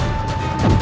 aku akan menang